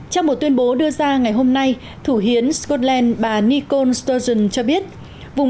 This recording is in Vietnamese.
trong một tuyên bố đưa ra ngày hôm nay thủ hiến scotland bà nicole sturgeon cho biết vùng